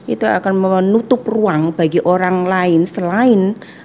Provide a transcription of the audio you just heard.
itu akan menutup ruang bagi orang lain selain